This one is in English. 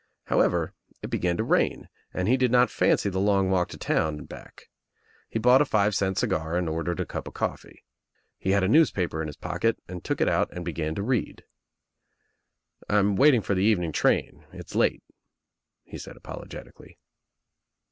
However, it began to rain and he did not fancy the long walk to town and back. He bought a five cent cigar and ordered a cup of coffee. He had a newspaper in his pocket and took it out and began to read. "I'm waiting for the evening train. It's late," he said apologetically.